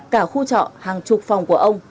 cả khu trọ hàng chục phòng của ông